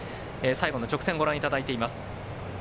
最後の直線をご覧いただいています。